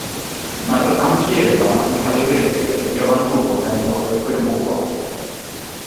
Mae'r amgueddfa'n cael ei rhedeg yn gyfan gwbl gan aelodau gwirfoddol.